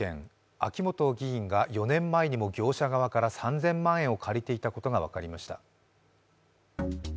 秋本議員が４年前にも業者側から３０００万円を借りていたことが分かりました。